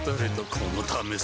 このためさ